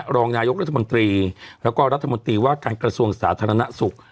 รองนายกรัฐมนตรีแล้วก็รัฐมนตรีว่าการกระทรวงสาธารณสุข